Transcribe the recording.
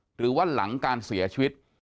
หรือว่าหลังการเสียชีวิต